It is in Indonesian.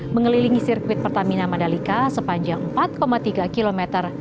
mengelilingi sirkuit pertamina mandalika sepanjang empat tiga km